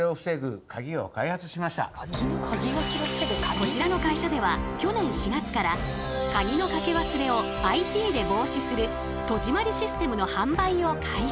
こちらの会社では去年４月からカギのかけ忘れをＩＴで防止する戸締まりシステムの販売を開始。